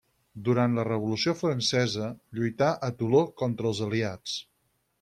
Durant la Revolució Francesa lluità a Toló contra els aliats.